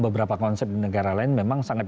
beberapa konsep di negara lain memang sangat